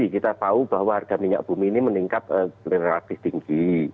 kita tahu bahwa harga minyak bumi ini meningkat relatif tinggi